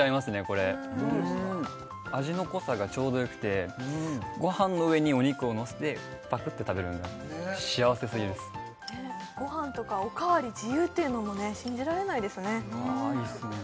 これ味の濃さがちょうどよくてごはんの上にお肉をのせてぱくって食べるのが幸せすぎるっすごはんとかおかわり自由っていうのもね信じられないですねああいいっすね